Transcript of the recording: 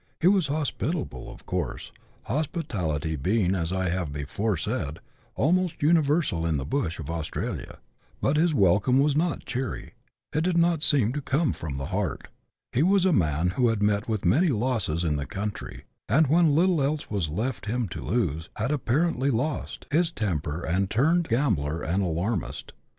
He was hospitable of course, hospitality being, as I have before said, almost universal in the bush of Australia ; but his welcome was not cheery, it did not seem to come from the heart. He was a man who had met with many losses in the country, and, when little else was left him to lose, had apparently lost— his 138 BUSH LIFE IN AUSTRALIA. [chap. xii. temper, and turned grumbler and alarmist.